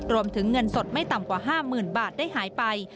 รวมถึงเงินสดไม่ต่ำกว่า๕๐๐๐บาทได้หายไป